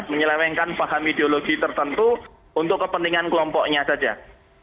menyelewengkan paham ideologi tertentu untuk kepentingan kelompok kelompok